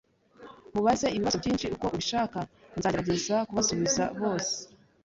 Mubaze ibibazo byinshi uko ubishaka. Nzagerageza kubasubiza bose.